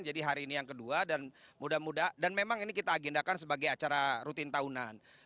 jadi hari ini yang kedua dan mudah mudah dan memang ini kita agendakan sebagai acara rutin tahunan